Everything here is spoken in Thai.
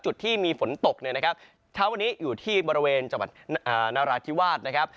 จุดที่มีฝนตกเนี่ยนะครับเช้าวันนี้อยู่ที่บริเวณจังหวัดนราธิวาสนะครับ